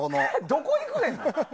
どこに行くねん！